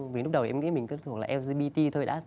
vì lúc đầu em nghĩ mình cứ thường là lgbt thôi đã